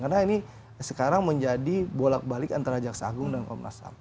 karena ini sekarang menjadi bolak balik antara jaksa agung dan komnas ham